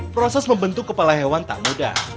proses membentuk kepala hewan tak mudah